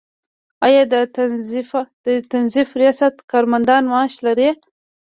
آیا د تنظیف ریاست کارمندان معاش لري؟